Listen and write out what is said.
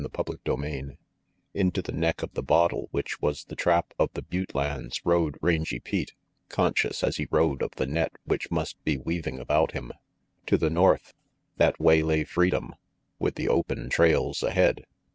CHAPTER XII INTO the neck of the bottle which was the trap of the butte lands rode Rangy Pete, conscious as he rode of the net which must be weaving about him. To the north, that way lay freedom, with the open trails ahead.